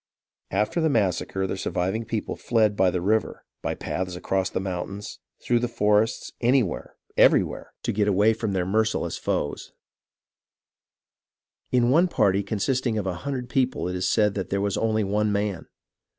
After the massacre, the surviving people fled by the river, by paths across the mountains, through the forests, anywhere, everywhere, to get away from their merciless 254 HISTORY OF THE AMERICAN REVOLUTION foes. In one party consisting of a hundred people it is said there was only one man.